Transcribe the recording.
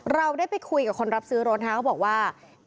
เราได้ไปคุยกับคนรับซื้อรถเขาบอกว่า